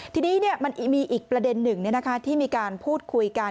ทีนี้เนี่ยมันมีอีกประเด็นหนึ่งเนี่ยนะคะที่มีการพูดคุยกัน